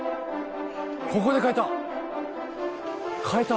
「ここで変えた！